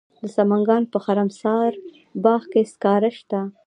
د سمنګان په خرم سارباغ کې سکاره شته.